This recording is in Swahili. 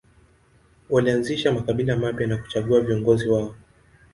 Walianzisha makabila mapya na kuchagua viongozi wao.